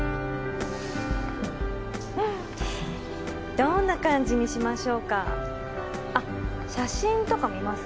どんな感じにしましょうかあっ写真とか見ます？